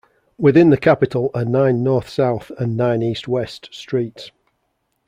Within the capital are nine north-south and nine east-west streets.